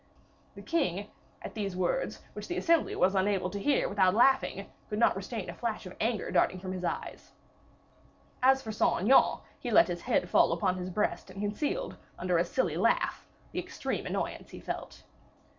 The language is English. '" The king, at these words, which the assembly was unable to hear without laughing, could not restrain a flash of anger darting from his eyes. As for Saint Aignan, he let his head fall upon his breast, and concealed, under a silly laugh, the extreme annoyance he felt.